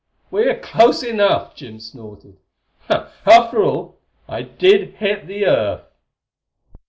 "We're close enough!" Jim snorted. "After all, I did hit the Earth!"